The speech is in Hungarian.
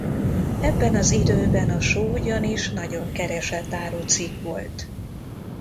Ebben az időben a só ugyanis nagyon keresett árucikk volt.